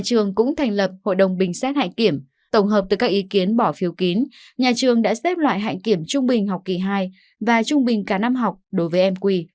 trước thành lập hội đồng bình xét hành kiểm tổng hợp từ các ý kiến bỏ phiếu kín nhà trường đã xếp loại hành kiểm trung bình học kỳ hai và trung bình cả năm học đối với em quy